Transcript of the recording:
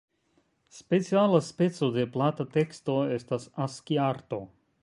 Speciala speco de plata teksto estas Aski-arto.